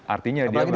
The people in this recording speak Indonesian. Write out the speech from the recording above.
artinya dia melakukan